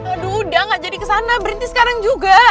aduh udah gak jadi kesana berhenti sekarang juga